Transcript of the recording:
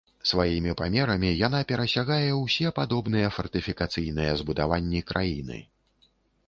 Сваімі памерамі яна перасягае ўсе падобныя фартыфікацыйныя збудаванні краіны.